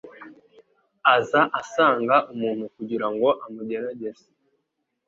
aza asanga umuntu kugira ngo amugerageze,